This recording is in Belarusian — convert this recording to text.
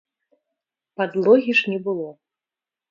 Падлогі ж не было.